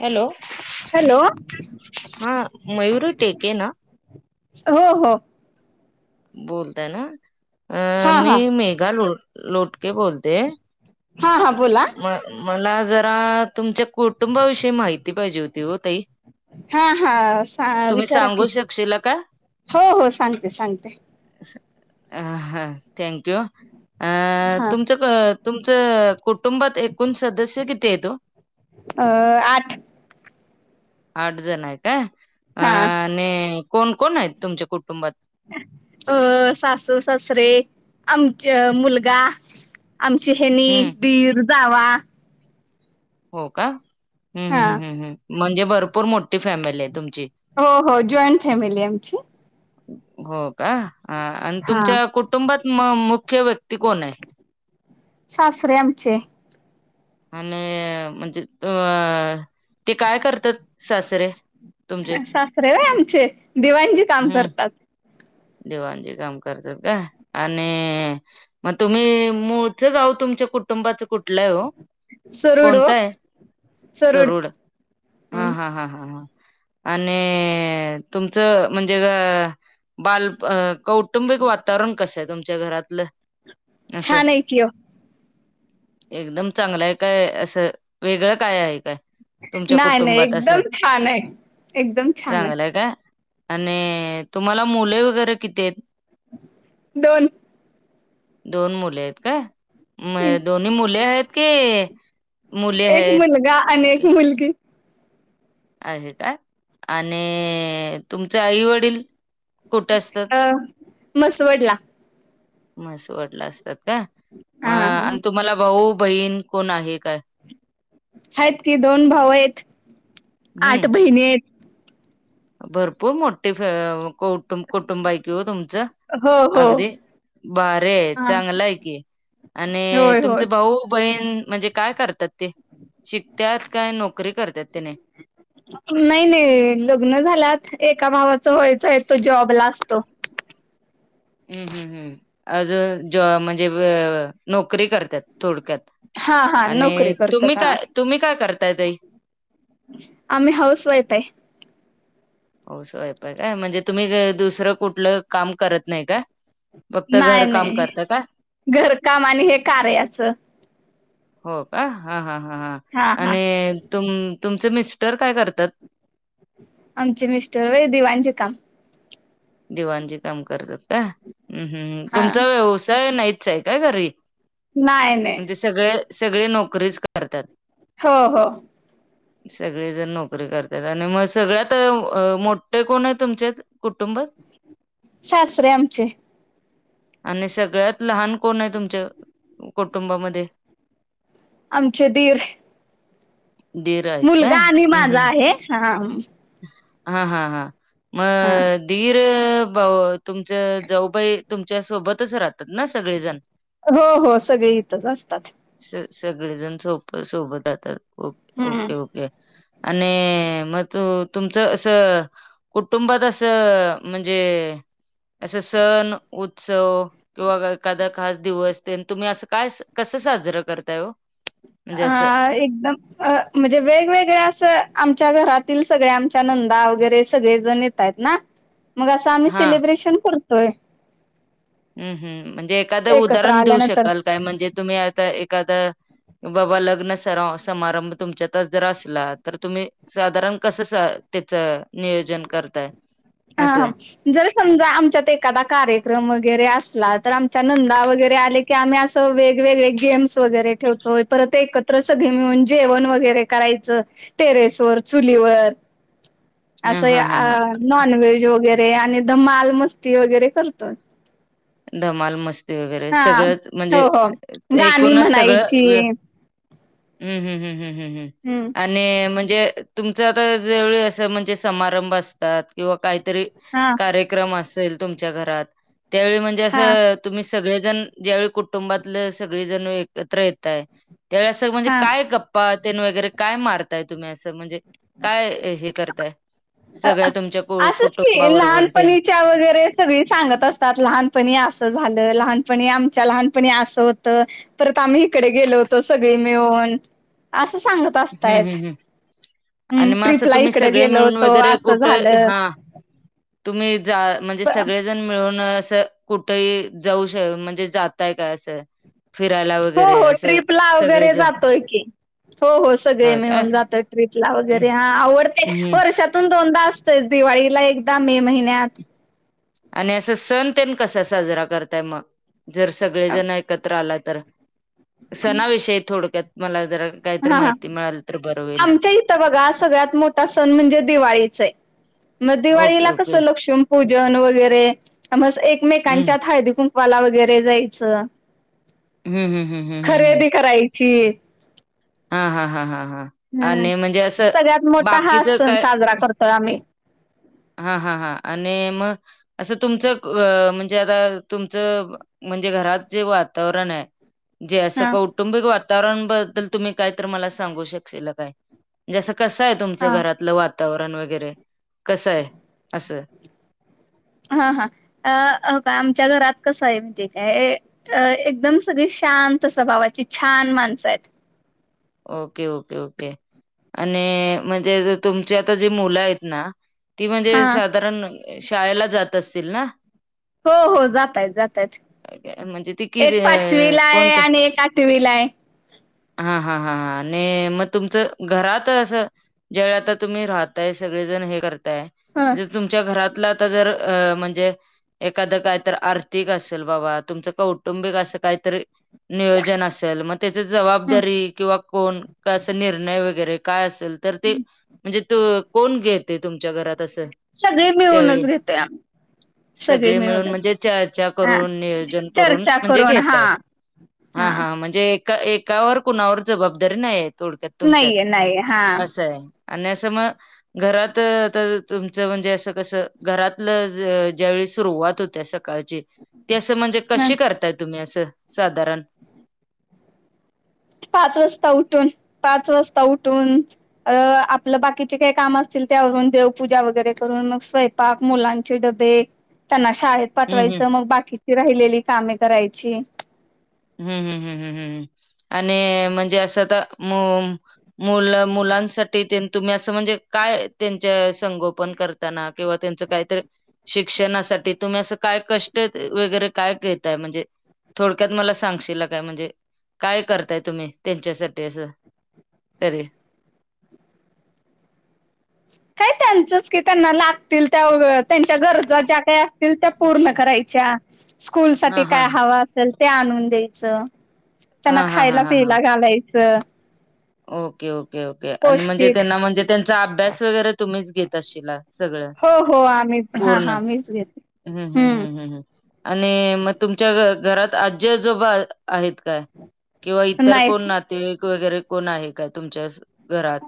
Hello hello. हा मयुरी टेके ना हो, हो. बोलताय ना, अ, हा मी हा मेघा लो, लोटके बोलते. हा, हां बोला. म मला जरा तुमच्या कुटुंबाविषयी माहिती पाहिजे होती वो ताई. हा, हा सा, तुम्ही विचारा की. सांगू शकशीला का हो, हो सांगते, सांगते. हा, थँक यू, हा अ, हा तुमच तुमचं कुटुंबात एकूण सदस्य किती येत ओ? अ आठ. आठ जण आहे काय? अ हा कोण कोण आहेत, तुमच्या कुटुंबात? अ सासू- सासरे आमच्य मुलगा आमची हे नी, हम्म दीर, जावा. हो का ह् हा ह् म्हणजे भरपूर मोठी फॅमिली आहे तुमची. हो, हो जॉईंट फॅमिली आमची. हो का आणि हा तुमच्या कुटुंबात म मुख्य व्यक्ती कोण आहे? सासरे आमचे, आणि, म्हणजे अ, ते काय करतात सासरे? तुमचे? सासरे वय आमचे, दिवांजी काम करतात. देवाणजी काम करतात काय, आणि मग तुम्ही मूळचं गाव, तुमच्या कुटुंबाच कुठलं ये हो? सरूड ओ कोणताय? सरूड सरुड, हा हा हा हा हा. आणि, तुमचं म्हणजे गं बालप, कौटुंबिक वातावरण कसं आहे तुमच्या घरातलं? आसं छान आहे कि ओ एकदम चांगलंय काय, असं वेगळं काय हाय काय? तुमच्या नाही नाही कुटुंबात असं,, एकदम छान आहे एकदम छान आहे चांगलंय काय. आणि, तुम्हाला मुले वगैरे किती आहेत? दोन. दोन मुले आहेत काय, म दोन्ही मुले आहेत की मुली एक हायेत? मुलगा अनि एक मुलगी. आहे का, आणि तुमचे आई वडील कुठं असतात, अ मसवडला मसवाडला असतात का? म हा हा अन् तुम्हाला भाऊ बहीण कोण आहे काय? आहेत की, दोन भाऊ आहेत, आठ हम्म बहिणी आहेत. भरपूर मोठे, फॅ अं कौटुं, कौटुंब आहे की ओ तुमचं. हो हो अगदी, भारीय, हा चांगलं आहे की. आणि, होय होय तुमचे भाऊ बहीण म्हणजे काय करत्यात ते, शिकतात काय, नोकरी करतात त्यानी? नाही नाही, लग्नं झाल्यात, एका भावाच व्हायचं आहे तो जॉब ला अस हम्म हम् हम्, अजून जॉब म्हणजे नोकरी करत्यात, थोडक्यात. हा हा आणि, नोकरी तुम्ही करतात हा काय, तुम्ही काय करताय ताई? आम्ही हाऊस वाईफ आहे. हाउसवाइफ आहे काय, म्हणजे तुम्ही, दुसरं कुठलं काम करत नाही काय? फक्त नाही घरकाम नाही, करता का? घरकाम आणि हे कार्याचं. हो का?,, हा हा हा हा, आणि तुम, तुमचे मिस्टर काय करतात? आमचे मिस्टर वय, दिवांनचे काम. दिवाणजी काम करतात काय, हम् हम्,, हा तुमचा व्यवसाय नाहीच आहे काय घरी? नाही नाही म्हणजे सगळे, सगळे नोकरीच करत्यात. हो हो ह, [inaudible] सगळी जण नोकरी करत्यात, आणि मग सगळ्यात मोठे कोण आहे तुमच्यात, कुटुंबात? सासरे आमचे आणि सगळ्यात लहान कोणये तुमच्या कुटुंबामध्ये? आमचे दीर. दीर आहेत मुलगा काय? आणि माझा आहे, हा हम हा हा हा हा मऽ दिर भाऊ, तुमच्या जाऊबाई तुमच्या सोबतच राहता? ना सगळेजण हो हो सगळी इथंच असतात स सगळेजण सोबत राहतात, ओ हम्म ओके ओके. आण मं तू तुमचं असं, कुटुंबात असं म्हणजे असे सण, उत्सव किंवा एखादा खास दिवस, तुम्ही असं काय, कसं साजरं करताय ओ? म्हणजे असं हा एकदम अं म्हणजे वेगवेगळ्या असं, आमच्या घरातील सगळे, आमच्या नंदा वगैरे सगळे जण येत आहेत ना. [inaudible] मग असं आम्ही हां. सेलिब्रेशन करतोय. हम्म हम्म म्हणजे एखादं एकत्र उदाहरण देऊ आल्यानंतर शकाल काय? म्हणजे तुम्ही आता एखादं बाबा लग्न स समारंभ तुमच्यातच जर असला, तर तुम्ही साधारण कसं त्याचं नियोजन करताय? असं. अहं जर समजा आमच्यात एखादा कार्यक्रम वगैरे असला तर, आमच्या नंदा वगैरे आले कि आम्ही असं वेगवेगळे गेम्स वगैर ठेवतोय. परत एकत्र सगळे मिळून जेवण वगैरे करायचं टेरेसवर, चुलीवर. [inaudible] असंहि हां, हां, हां. नॉन व्हेज वगैरे आणि धमाल मस्ती वगैरे करतोय. धमाल, मस्ती वगैरे हा सगळंच हो म्हणजे हो गाणी एकूणच म्हणायची सगळं हम हं हं हं हं हं हम्म. आणि म्हणजे तुमचं आता जेवळी असं म्हणजे समारंभ असतात किंवा काहीतरी हां कार्यक्रम असेल तुमच्या घरात, त्या म्हणजे हा असं तुम्ही सगळेजण, ज्यावेळी कुटुंबातलं सगळेजण एकत्र येताय त्यावेळी असं म्हणजे हा काय गप्पा तेन वगैरे काय मारताय तुम्ही असं म्हणजे? काय हे करताय, सगळ्या तुमच्या कुटुंबाबरोबर ते? त्या वगैरे सगळी सांगत असतात, लहानपणी असं झालं, लहानपणी आमच्या लहानपणी असं होतं. परत आम्ही इकडे गेलो होतो सगळी मिळून, असं सांगत हं, असतायत, हं, हं. हं आणि मग असं ट्रिपला तुम्ही इकडे सगळे गेलो. मिळून होतो वगैरे असं कुटं हा झालं तुम्ही जा म्हणजे सगळेजण मिळून असं. कुठेही जाऊ श म्हणजे जाताय काय असं फिरायला वै हो हो ट्रीपला वगैरे जातोय की. हो हो सगळे मिळून जातोय ट्रीपला वगैरे. हा आवडते हम्म वर्षात तून दोनदा असतेच दिवाळीला, एकदा मे महिन्यात. आणि असं सण तेन कसा साजरा करताय मग? जर सगळेजण एकत्र आला तर. सणाविषयी थोडक्यात मला जरा काहीतरी हा हा माहिती मिळाल आमच्या इथं बघा, सगळ्यात मोठा सण म्हणजे दिवाळीचये. मग ओके दिवाळीला कस ओके लक्ष्मी पूजन वगैरे, म हम्म एकमेकांच्यात हळदी कुंकू वाला वगैरे जायचं, हम्म हम्म हम्म हम्म हम्म खरेदी करायची. हा हा हा हा हा. हम्म आणि म्हणजे असं सगळ्यात मोठा हाच बाकीचं सण काय साजरा करतोय आम्ही. हां हां हां आणि म असं तुमचं म्हणजे आता तुमचं म्हणजे घरात जे वातावरण आहे जे असं हा कौ कौटुंबिक वातावरण बद्दल तुम्ही काय तर मला सांगू शकशीला काय? म्हणजे आसं कसं हाय तुमचं हा घरातलं वातावरण वगैरे कसं हाय? असं. हा हा अ हेबगा आमच्या घरात कसं हाय माहिती हाय काय अ एकदम सगळी शांत स्वभावाची छान माणसं आहेत. ओके ओके ओके आणि म्हणजे तुमचे आता जे मुलं आहेत ना ती म्हणजे हा साधारण शाळेला जात असतील ना? हो हो जातायेत जातायेत, अ, म्हणजे ती किती एक अ, पाचवीला आहे, कोणतं आणि एक आठ विला हाय. हा हा हा आणि म तुमचं घरात अस ज्या वेळी तुम्ही राह ताय सगळी जण हे करताय ह म्हणजे तुमच्या घरातला आता जर अ म्हणजे एखादं काय तर आर्थिक असेल बाबा, तुमचं कौटुंबिक असं काहीतरी नियोजन असेल, म त्याची जबाबदारी कोन क असे निर्णय वगैरे काय असेल तर ते म्हणजे तू कोण घेतय तुमच्या घरात? तसं. सगळी मिळूनच घेतोय आम्ही. सगळे मिळून म्हणजे चर्चा हा करून, नियोजन करून, चर्चा म्हणजे करून हा घेताय. हा हा म्हन जे एका एकावर कुणावर जबाबदारी नाही हाय थोडक्यात तुमच्यात, नाहीये नाहीये हा असं हाय. आणि आस म घरात आता तुमचं म्हणजे असं कस घरातलं ज्यावेेळी सुरुवात हो त्या सकाळची ती असं म्हणजे हा कशी करताय तुम्ही असं साधारण पाच वाजता उठून, पाच वाजता उठून अ आपलं बाकीचे काही काम असतील ती आ, देवपूजा वगैरे करून, मग स्वय पाक, मुलांचे डबे, त्यांना शाळेत हम्म पठवायचं, मग बाकीची राहिलेली कामे करायची. हम्म हम् हम्म हम्म हम् आणि म्हणजे असं आता म मुल मुलांसाठी ते न तुम्ही असं म्हणजे काय त्यांच्या संगोपन करताना, किंवा त्यांच काहीतर शिक्षणासाठी तुम्ही अस काय कष्ट वगैरे काय घेताय, म्हणजे थोडक्यात मला सांगशीला काय? म्हणजे काय करताय तुम्ही त्यांच्यासाठी असं तरी? काय त्यांचंच की त्यांना लागतील त्या त्यांच्या गरजा ज्या काही असतील त्या पूर्ण करायच्या स्कूल हा साठी हा काय हाव असेल ते आणून द्यायचं त्यांना हा हा हा खायला हा हा पियला घालायचं ओके ओके ओके आणि म्हणजे पौष्टिक त्यांना म्हणजे त्यांचा अभ्यास वगैरे तुम्हीच घेत असशीला? सगळ, हो हो आम्ही हा पूर्ण हा मीच घेते हम्म हम् हम्म हम् हम्. आणि म तुमच्या घरात आजी आजोबा आहेत काय? किंवा इतर कोण नाईट नातेवाईक वगैरे कोण आहे काय? तुमच्या घरात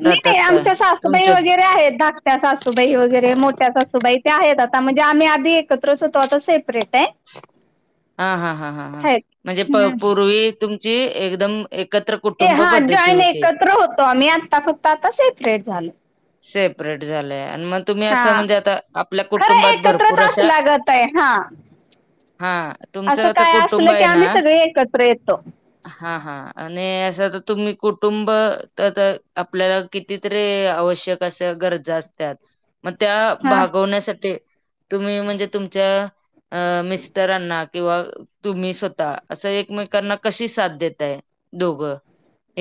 नाही राहतात -नाही, काय आमच्या सासूबाई तुमच्या वगैरे आहेत, धाकट्या सासूबाई वगैरे मोठ त्याचा सासुबाई ते आहेत आता, म्हणजे आम्ही आधी एकत्रच होतो. आता सेपरेट आहे. हा हा हा ह ह, आहेत म्हणजे हम्म. पूर्वी तुमची एकदम एकत्र कुठ ए हा जॉईन एकत्र होतो आम्ही, आता फक्त आता सेपरेट झालो. सेपरेट झालंय आणि मग तुम्ही हा असं म्हणजे आता, आपल्या खरं कुटुंबात एकत्रच भरपूर अशा असला गत आहे हा हा तुमचं असं आता काय कुटुंब असलं की आहे ना आम्ही सगळे एकत्र येतो हा हा आणि असं तर तुम्ही कुटुंब आपल्याला कितीतरी आवश्य आशा गरजा असत्यात, मग त्या हा भागवण्यासाठी तुम्ही म्हणजे तुमच्या, अ मिस्टरांना किंवा तुम्ही स्वतः असं एकमेकांना कशी साथ देतय दोघं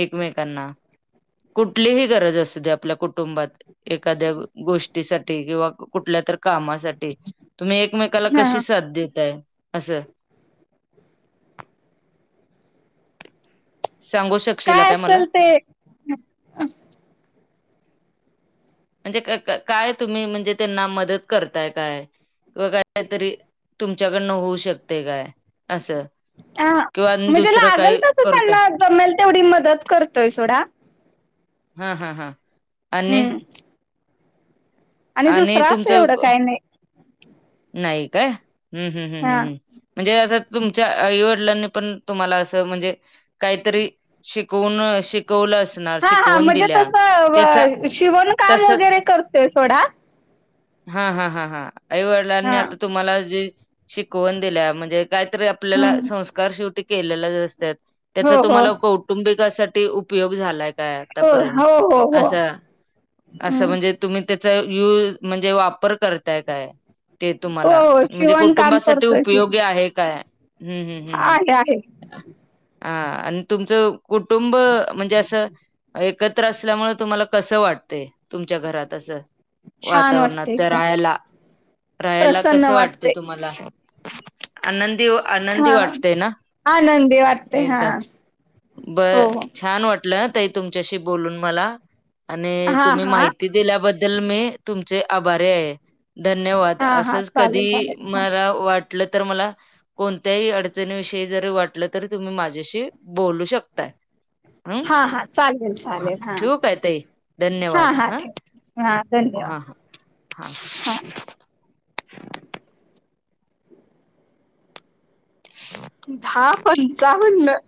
एकमेकांना, कुठलीही गरज असू दे आपल्या कुठ कुटुंबात, एखाद्या गोष्टीसाठी किंवा कुठल्या तर कामासाठी, तुम्ही एकमेकाला हा कशी हा. साथ देताय असं सांगू शकशील असल ते म्हणजे क -काय तुम्ही म्हणजे त्यांना मदत करताय काय? किंवा कायतरी तुमच्याकडनं होऊ शकते काय? असं हा, किंवा आणि म्हणजे दुसरं लागल काही तस करत त्यांना जमेल तेवढी मदत करतोय सोडा. हा हा हा, आणि हम्म आणि दुसरा असं तुमचं, एवढं काय नाही नाही काय? हम्म हम्म हम् हम्म हा हम् म्हणजे असं तुमच्या आई- वडिलांनी पण तुम्हाला असं म्हणजे- काहीतरी, शिकवून शिकवलं अस हा हा, म्हणजे तसं शिवण काम तस वगैरे करते सोडा- हा हा हा हा, आई -वडिलांनी हा आता तुम्हाला जे शिकवण दिल्या म्हणजे काहीतरी आपल्याला हम्म संस्कार शेवटी केलेले असते. त्याच हो हो तुम्हाला कौ कुटुंबिकासाठी उपयोग झालाय काय हो आतापर्यंत, हो हो हो असं हम्म तुम्ही त्याचा युज म्हणजे वापर करताय काय? ते हो तुम्हाला हो म्हणजे शिवण काम कुटुंबासाठी करतोय की उपयोगी आहे काय? हम्म हम् हम् हम्. आहे आहे हा आणि तुमचं कुटुंब म्हणजे असं एकत्र असल्यामुळे तुम्हाला कसं वाटतंय, तुमच्या घरात असं. छान वातावरणात वाटते त्या एकदम राहायला, राहायला कस वाटते तुम्हाला? आनंदी व आनंदी हा वाटते ना? आनंदी वाटते हा एकदा ब! हो हो छान वाटलं ताई तुमच्याशी बोलून मला, आणि हा तुम्ही हा माहिती दिल्याबद्दल मी तुमचे आभारी आहे. धन्यवाद, हा हा असंच कधी चालेल चालेल हा मला वाट वाटल तर मला कोणत्याही अडचणीविषयी जरी वाटलं तरी तुम्ही माझ्याशी बोलू शकता. हम, हा हा चालेल चालेल हा ठेवू काय ताई? धन्यवाद हा. हा हा धन्यवाद हा. हा. हा [inaudible] दहा पंचावन्न.